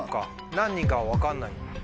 何人かは分かんない。